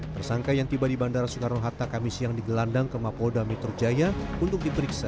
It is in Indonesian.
tersangka yang tiba di bandara soekarno hatta kami siang digelandang ke mapolda metro jaya untuk diperiksa